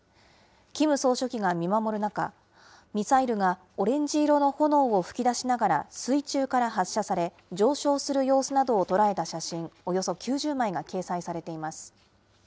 キム総書記が見守る中、ミサイルがオレンジ色の炎を噴き出しながら水中から発射され、上昇する様子などを捉えた写真およそ９０枚が掲載されています。